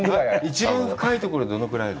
一番深いところでどのぐらい？